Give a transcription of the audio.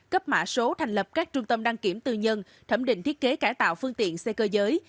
cấp mã số thành lập các trung tâm đăng kiểm tư nhân thẩm định thiết kế cải tạo phương tiện xe cơ giới